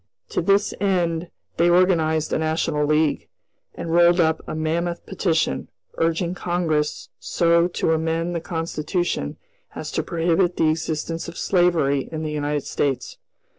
To this end they organized a national league, and rolled up a mammoth petition, urging Congress so to amend the Constitution as to prohibit the existence of slavery in the United States.